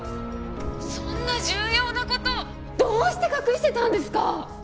そんな重要な事をどうして隠してたんですか？